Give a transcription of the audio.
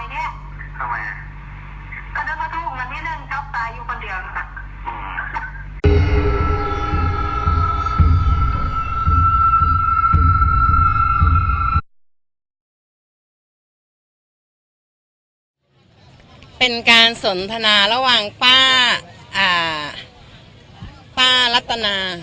แต่ว่าเสียงนี้ไม่ใช่ครูฟิชาไม่ใช่ค่ะไม่ใช่เจ๊เกี๊ยวรู้จักเสียง